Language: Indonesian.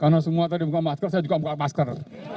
karena semua tadi buka masker saya juga buka masker